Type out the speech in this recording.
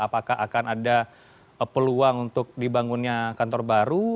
apakah akan ada peluang untuk dibangunnya kantor baru